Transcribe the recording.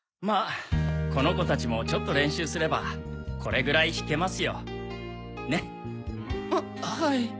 まあこの子達もちょっと練習すればこれぐらい弾けますよ。ね？ははい。